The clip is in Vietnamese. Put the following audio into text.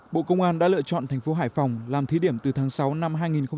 bộ công an đã lựa chọn thành phố hải phòng làm thí điểm từ tháng sáu năm hai nghìn hai mươi